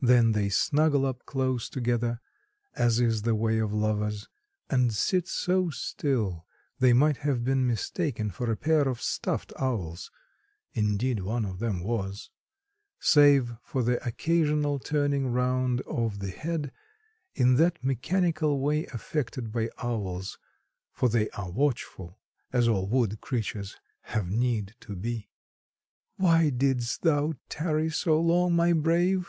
Then they snuggle up close together, as is the way of lovers, and sit so still they might have been mistaken for a pair of stuffed owls—indeed one of them was—save for the occasional turning round of the head in that mechanical way affected by owls, for they are watchful, as all wood creatures have need to be. "Why didst thou tarry so long, my brave?"